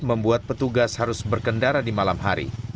membuat petugas harus berkendara di malam hari